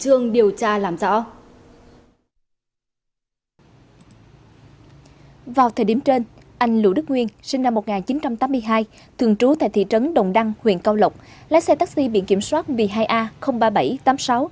trong năm một nghìn chín trăm tám mươi hai thường trú tại thị trấn đồng đăng huyện cao lộc lái xe taxi biển kiểm soát b hai a ba nghìn bảy trăm tám mươi sáu